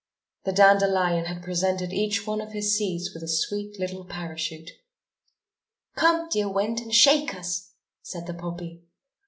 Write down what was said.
The dandelion had presented each one of his seeds with a sweet little parachute. "Come, dear Wind, and shake us!" said the poppy.